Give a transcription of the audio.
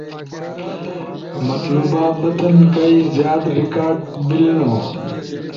[مطلوبہ متن کائی زیاد ریکارڈ بیلنو]